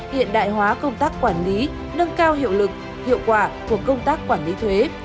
hiện đại hóa công tác quản lý nâng cao hiệu lực hiệu quả của công tác quản lý thuế